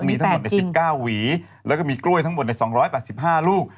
มีทั้งหมดใน๑๙หวีแล้วก็มีกล้วยทั้งหมดใน๒๘๕ลูก